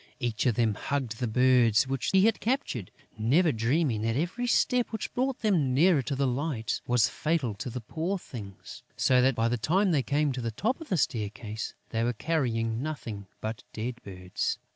Each of them hugged the birds which he had captured, never dreaming that every step which brought them nearer to the light was fatal to the poor things, so that, by the time they came to the top of the staircase, they were carrying nothing but dead birds.